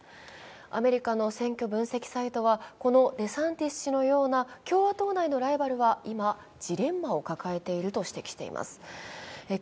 アメリカの選挙分析サイトは、このデサンティス氏のような共和党内のライバルは今、ジレンマを抱えているとしています。